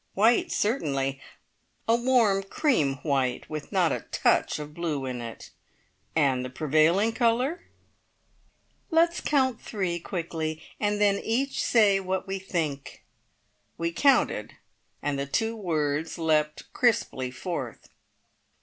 "White certainly. A warm cream white, with not a touch of blue in it. And the prevailing colour?" "Let's count three quickly, and then each say what we think!" We counted, and the two words leapt crisply forth.